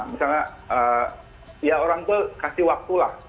misalnya ya orang tua kasih waktulah